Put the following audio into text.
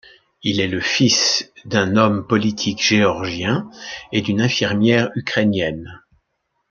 Il est le fils d'un homme politique géorgien et d'une infirmière ukrainienne.